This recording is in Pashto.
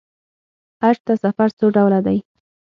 حج ته سفر څو ډوله دی.